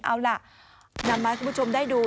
เอาล่ะนำมาให้คุณผู้ชมได้ดู